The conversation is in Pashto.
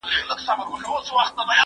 زه به چپنه پاک کړې وي!